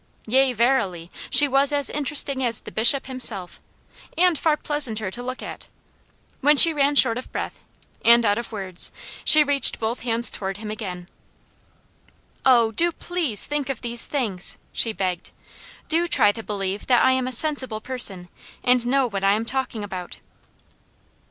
Yea verily, she was as interesting as the Bishop himself, and far pleasanter to look at. When she ran short of breath, and out of words, she reached both hands toward him again. "OH DO PLEASE THINK OF THESE THINGS!" she begged. "Do try to believe that I am a sensible person, and know what I am talking about."